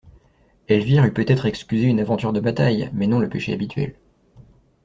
Elvire eut peut-être excusé une aventure de bataille, mais non le péché habituel.